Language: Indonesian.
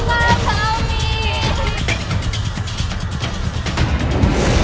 bisakah kau ingin berhenti